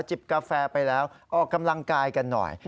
กาแฟไปแล้วออกกำลังกายกันหน่อย